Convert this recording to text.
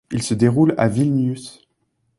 Il se déroule à Vilnius.